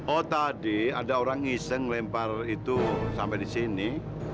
oh tadi ada orang iseng lempar itu sampai di sini